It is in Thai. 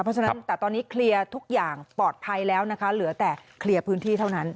เพราะฉะนั้นแต่ตอนนี้เคลียร์ทุกอย่างปลอดภัยแล้วนะคะเหลือแต่เคลียร์พื้นที่เท่านั้น